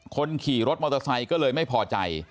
คนขี่รถมอเตอร์ไซค์ก็เลยไม่พอใจ